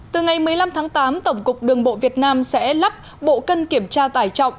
từ ngày một mươi năm tháng tám tổng cục đường bộ việt nam sẽ lắp bộ cân kiểm tra tải trọng